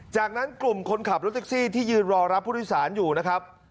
จากนั้นกลุ่มคนขับรถแท็กซี่ที่ยืนรอรับผู้โดยสารอยู่นะครับ